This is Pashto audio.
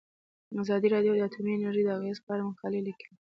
ازادي راډیو د اټومي انرژي د اغیزو په اړه مقالو لیکلي.